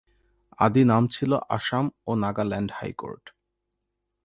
আদি নাম ছিল আসাম ও নাগাল্যান্ড হাইকোর্ট।